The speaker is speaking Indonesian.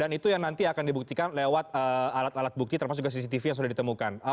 dan itu yang nanti akan dibuktikan lewat alat alat bukti termasuk juga cctv yang sudah ditemukan